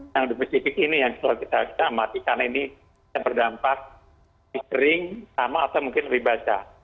yang di pasifik ini yang kita amatikan ini yang berdampak sering sama atau mungkin lebih basah